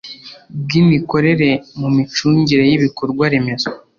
Bw’ imikorere mu micungire y’ ibikorwa remezo